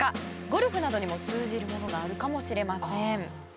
ゴルフなどにも通じるものがあるかもしれません。